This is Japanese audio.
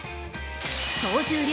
総重量